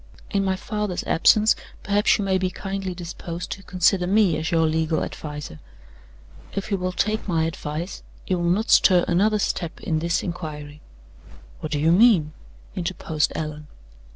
In my father's absence, perhaps you may be kindly disposed to consider me as your legal adviser. If you will take my advice, you will not stir another step in this inquiry." "What do you mean?" interposed Allan.